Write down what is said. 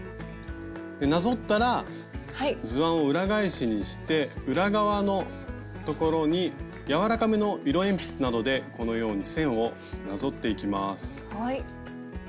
なぞったら図案を裏返しにして裏側のところにやわらかめの色鉛筆などでこのように線をなぞっていきます。